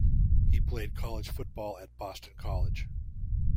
He played college football at Boston College.